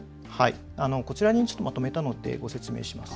こちらにまとめたのでご説明します。